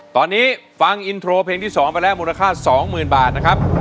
ตอนนี้ฟังอินโทรเพลงที่๒ไปแล้วมูลค่า๒๐๐๐บาทนะครับ